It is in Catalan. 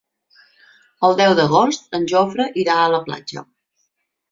El deu d'agost en Jofre irà a la platja.